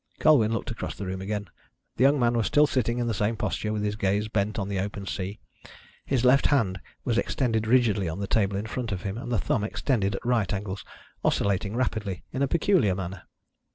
Colwyn looked across the room again. The young man was still sitting in the same posture, with his gaze bent on the open sea. His left hand was extended rigidly on the table in front of him, with the thumb, extended at right angles, oscillating rapidly in a peculiar manner.